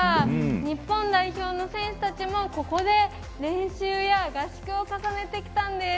日本代表の選手たちもここで、練習や合宿を重ねてきたんです。